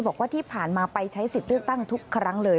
บอกว่าที่ผ่านมาไปใช้สิทธิ์เลือกตั้งทุกครั้งเลย